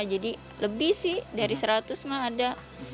jadi lebih sih dari seratus mah ada